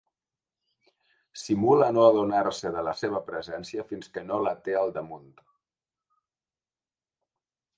Simula no adonar-se de la seva presència fins que no la té al damunt.